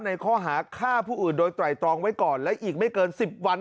ในข้อหาฆ่าผู้อื่นโดยไตรตรองไว้ก่อนและอีกไม่เกิน๑๐วัน